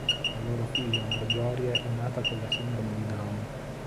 La loro figlia Marjorie è nata con la sindrome di Down.